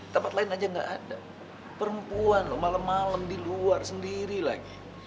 tempat lain aja gak ada perempuan loh malem malem di luar sendiri lagi